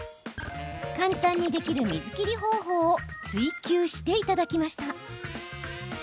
簡単にできる水切り方法を追求していただきました。